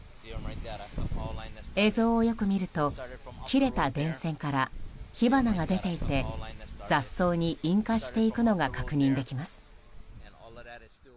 映像をよく見ると切れた電線から火花が出ていて雑草に引火していくのが確認できます。